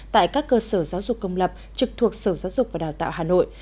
tại các cơ sở giáo dục công lập trực thuộc sở giáo dục và đào tạo hà nội